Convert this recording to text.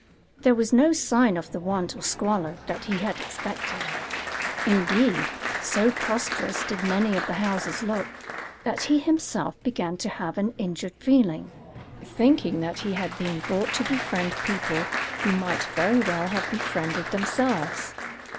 There was no sign of the want or squalor that he had expected; indeed, so prosperous did many of the houses look, that he himself began to have an injured feeling, thinking that he had been brought to befriend people who might very well have befriended themselves.